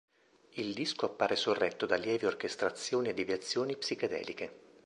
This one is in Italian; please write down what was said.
Il disco appare sorretto da lievi orchestrazioni e deviazioni psichedeliche.